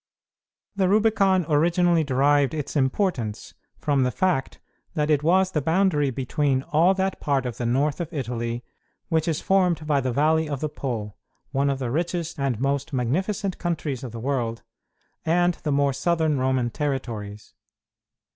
The Rubicon originally derived its importance from the fact that it was the boundary between all that part of the north of Italy which is formed by the valley of the Po, one of the richest and most magnificent countries of the world, and the more southern Roman territories.